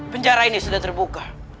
penjara ini sudah terbuka